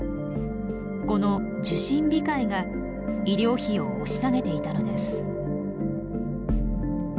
この受診控えが医療費を押し下げていたのです。